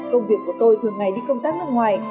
công việc của tôi thường ngày đi công tác nước ngoài